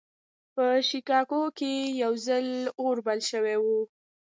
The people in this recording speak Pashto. په شيکاګو کې يو ځل لوی اور بل شوی و.